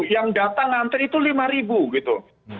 yang datang ngantri itu lima ribu gitu